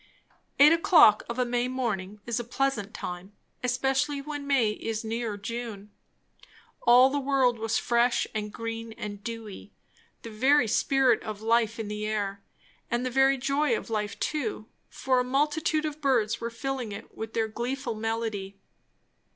Eight o'clock of a May morning is a pleasant time, especially when May is near June. All the world was fresh and green and dewy; the very spirit of life in the air, and the very joy of life too, for a multitude of birds were filling it with their gleeful melody.